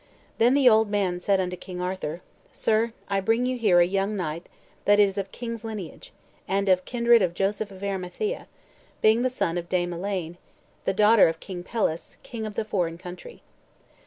Then the old man said unto King Arthur, "Sir, I bring you here a young knight that is of kings' lineage, and of the kindred of Joseph of Arimathea, being the son of Dame Elaine, the daughter of King Pelles, king of the foreign country."